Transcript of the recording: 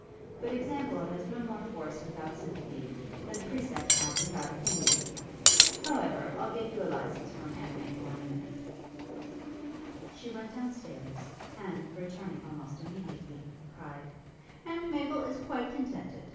But example has no more force without sympathy, than precept had without opinion! However, I'll get you a licence from Aunt Maple in a minute.' She went down stairs, and, returning almost immediately, cried, 'Aunt Maple is quite contented.